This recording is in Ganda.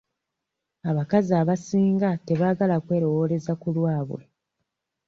Abakazi abasinga tebaagala kwerowooleza ku lwabwe.